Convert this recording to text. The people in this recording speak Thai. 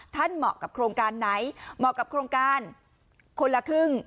เหมาะกับโครงการไหนเหมาะกับโครงการคนละครึ่ง